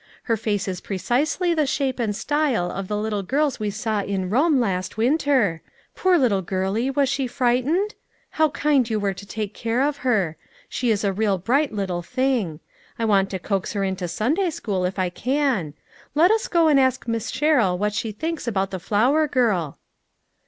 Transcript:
Her face is precisely the shape and style of the little girls we saw in Rome last win ter. Poor little girlie, was she frightened? How kind you were to take care of her. She is a real bright little thing. I want to coax her into Sunday school if I can. Let us go and ask Miss Sherrill what she thinks about the flower girl."